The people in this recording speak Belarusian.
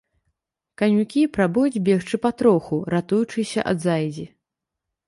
Канюкі прабуюць бегчы патроху, ратуючыся ад заедзі.